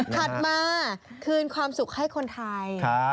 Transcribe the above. ถัดมาคืนความสุขให้คนไทย